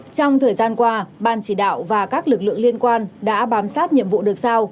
trong thời gian qua ban chỉ đạo và các lực lượng liên quan đã bám sát nhiệm vụ được sao